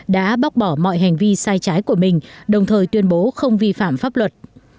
đã bóc bỏ mọi hành vi sai trái của mình đồng thời tuyên bố không vi phạm pháp luật